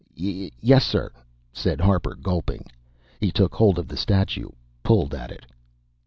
"Ye yessir," said Harper, gulping. He took hold of the statue, pulled at it.